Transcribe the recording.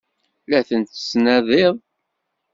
La tent-tettnadiḍ?